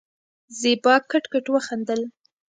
زېبا کټ کټ وخندل.